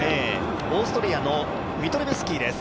オーストリアのミトレブスキーです。